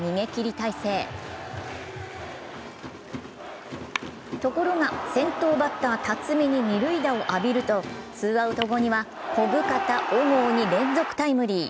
体制ところが先頭バッター・辰己に二塁打を浴びると、ツーアウト後には小深田、小郷に連続タイムリー。